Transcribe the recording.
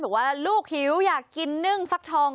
บอกว่าลูกหิวอยากกินนึ่งฟักทอง